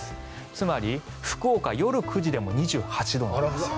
つまり福岡、夜９時でも２８度なんです。